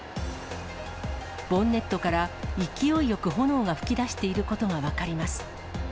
ボンネットから勢いよく炎が噴き出していることが分かります。